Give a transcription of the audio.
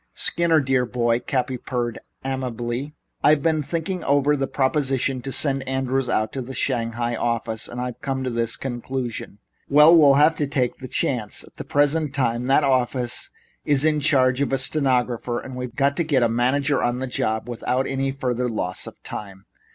"Skinner, dear boy," Cappy purred amiably, "I've been thinking over the proposition to send Andrews out to the Shanghai office, and I've come to this conclusion. We'll have to take a chance. At the present time that office is in charge of a stenographer, and we've got to get a manager on the job without further loss of time.